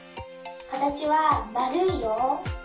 かたちはまるいよ。